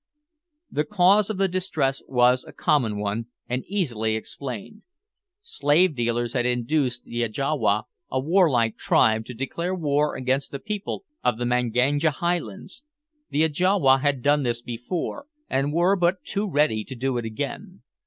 The cause of the distress was a common one, and easily explained. Slave dealers had induced the Ajawa, a warlike tribe, to declare war against the people of the Manganja highlands. The Ajawa had done this before, and were but too ready to do it again.